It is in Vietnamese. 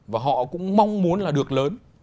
và họ cũng mong muốn là được lớn